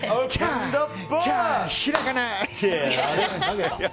開かない！